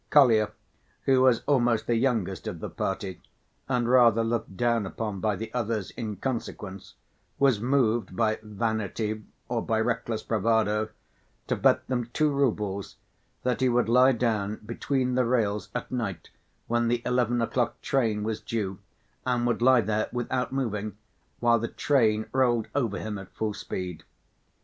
Kolya, who was almost the youngest of the party and rather looked down upon by the others in consequence, was moved by vanity or by reckless bravado to bet them two roubles that he would lie down between the rails at night when the eleven o'clock train was due, and would lie there without moving while the train rolled over him at full speed.